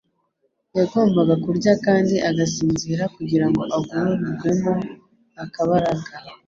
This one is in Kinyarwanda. Yagombaga kurya kandi agasinzira kugira ngo agarurirwemo akabaraga,